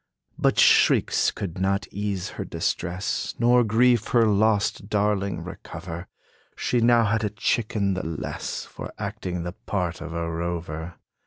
But shrieks could not ease her distress, Nor grief her lost darling recover. She now had a chicken the less, For acting the part of a rover.